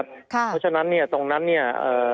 เพราะฉะนั้นเนี่ยตรงนั้นเนี่ย